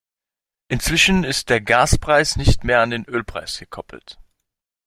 Inzwischen ist der Gaspreis nicht mehr an den Ölpreis gekoppelt.